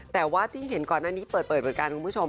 แต่ว่าที่เห็นก่อนหน้านี้เปิดเหมือนกันคุณผู้ชม